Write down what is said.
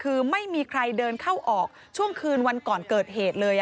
คือไม่มีใครเดินเข้าออกช่วงคืนวันก่อนเกิดเหตุเลย